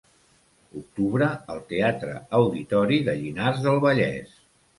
Octubre al Teatre Auditori de Llinars del Vallès.